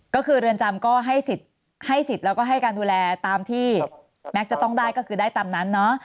ก็คือเรือนจำก็ให้สิทธิ์แล้วก็ให้การดูแลตามที่แม็กซ์จะต้องได้ก็คือได้ตามนั้นเนาะ